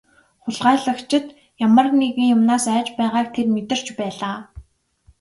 Хулгайлагчид ямар нэгэн юмнаас айж байгааг тэр мэдэрч байлаа.